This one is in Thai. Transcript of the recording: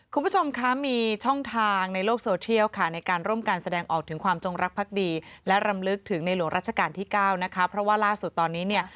คุณผู้ชมคะมีช่องทางในโลกโซเทียลค่ะในการร่วมการแสดงออกถึงความจงรักภักดีและรำลึกถึงในหลวงราชการที่เก้านะคะเพราะว่าล่าสุดตอนนี้เนี่ย